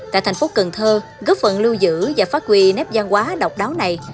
tại thành phố cần thơ góp phần lưu giữ và phát huy nét gian hóa độc đáo này